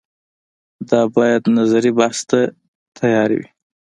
دا باید نظري بحث ته تیارې وي